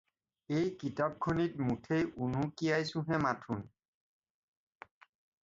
এই কিতাপ খনিত মুঠেই উনুকিয়াইছোঁহে মাথোন।